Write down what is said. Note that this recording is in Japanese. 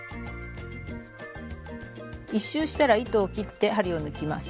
１周したら糸を切って針を抜きます。